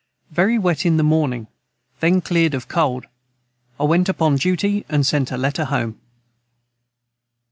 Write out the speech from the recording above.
Very wet in the Morning then cleared of cold I went upon duty and sent a Letter Home.